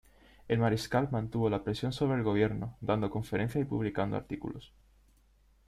El mariscal mantuvo la presión sobre el Gobierno, dando conferencias y publicando artículos.